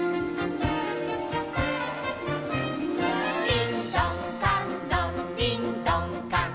「りんどんかんろんりんどんかん」